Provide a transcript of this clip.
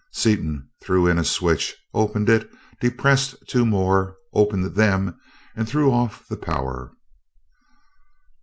Seaton threw in a switch, opened it, depressed two more, opened them, and threw off the power.